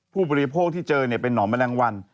ผู้บริโภคที่เจอเป็นหอมแมลงวัน